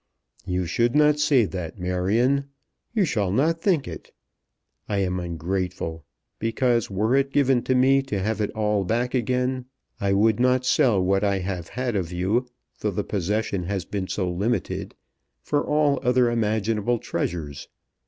"You should not say that, Marion; you shall not think it. I am ungrateful; because, were it given me to have it all back again, I would not sell what I have had of you, though the possession has been so limited, for all other imaginable treasures.